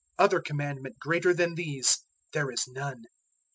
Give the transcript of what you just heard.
"Other Commandment greater than these there is none."